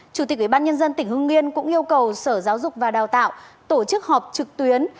chủ tịch ubnd tỉnh hưng yên cũng yêu cầu sở giáo dục và đào tạo tổ chức họp trực tuyến